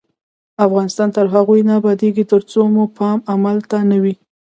افغانستان تر هغو نه ابادیږي، ترڅو مو پام عمل ته نه وي.